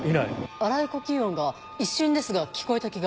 荒い呼吸音が一瞬ですが聞こえた気が。